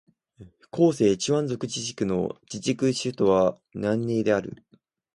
広西チワン族自治区の自治区首府は南寧である